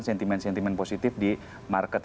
sentimen sentimen positif di market